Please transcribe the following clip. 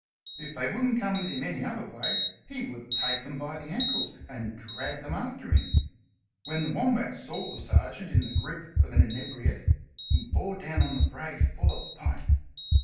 If they wouldn't come any other way, he would take them by the ankles and drag them after him. When the Wombat saw the sergeant in the grasp of an inebriate he bore down on the fray full of fight.